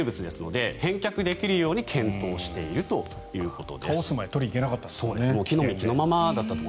これは返却できるように検討しているということです。